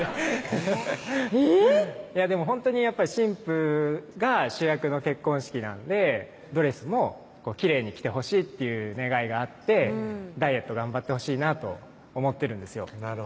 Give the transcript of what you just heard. えぇえぇっでもほんとに新婦が主役の結婚式なんでドレスもきれいに着てほしいっていう願いがあってダイエット頑張ってほしいなと思ってるんですよ